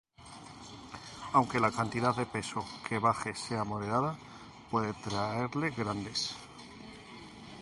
aunque la cantidad de peso que baje sea moderada puede traerle grandes